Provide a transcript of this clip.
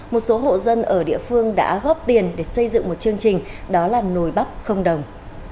một số hộ dân ở địa phương đã góp tiền để xây dựng một chương trình đó là nồi bắp không đồng